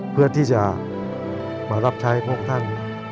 เพื่อที่จะมารับใช้พวกท่าน